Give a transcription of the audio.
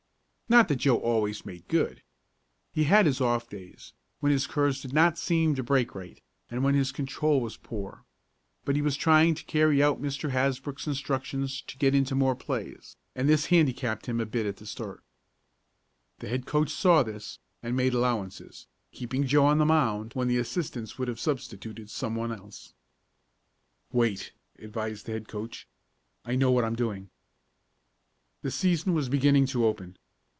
Not that Joe always made good. He had his off days, when his curves did not seem to break right, and when his control was poor. But he was trying to carry out Mr. Hasbrook's instructions to get into more plays, and this handicapped him a bit at the start. The head coach saw this, and made allowances, keeping Joe on the mound when the assistants would have substituted someone else. "Wait," advised the head coach. "I know what I'm doing." The season was beginning to open.